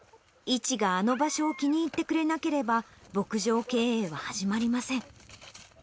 イチがあの場所を気に入ってくれなければ、牧場経営は始まりません。